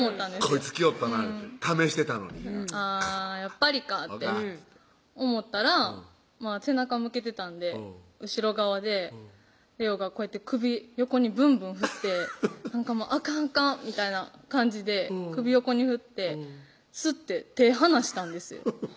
こいつ来よったないうて試してたのにあぁやっぱりかって思ったら背中向けてたんで後ろ側で玲央がこうやって首横にブンブン振って「あかんあかん」みたいな感じで首横に振ってすって手離したんですよ